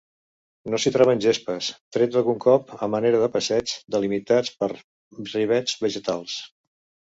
No s'hi troben gespes, tret d'algun cop a manera de passeigs, delimitats per rivets vegetals.